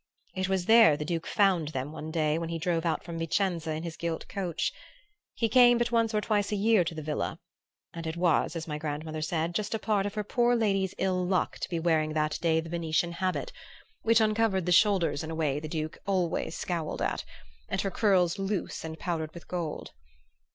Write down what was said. It was there the Duke found them one day when he drove out from Vicenza in his gilt coach. He came but once or twice a year to the villa, and it was, as my grandmother said, just a part of her poor lady's ill luck to be wearing that day the Venetian habit, which uncovered the shoulders in a way the Duke always scowled at, and her curls loose and powdered with gold.